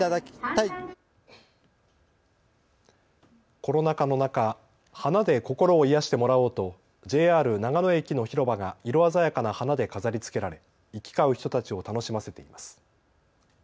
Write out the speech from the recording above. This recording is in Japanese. コロナ禍の中、花で心を癒やしてもらおうとＪＲ長野駅の広場が色鮮やかな花で飾りつけられ行き交う人たちを楽しませています。